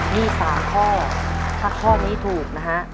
นี่๓ข้อถ้าข้อนี้ถูกนะฮะ